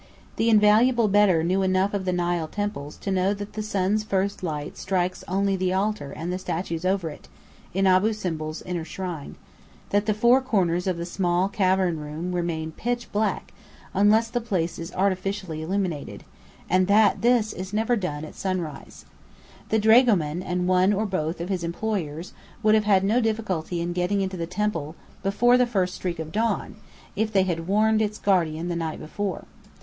The invaluable Bedr knew enough of the Nile Temples to know that the sun's first light strikes only the altar and the statues over it, in Abu Simbel's inner shrine: that the four corners of the small cavern room remain pitch black, unless the place is artificially illuminated: and that this is never done at sunrise. The dragoman and one or both of his employers would have had no difficulty in getting into the temple before the first streak of dawn, if they had warned its guardian the night before.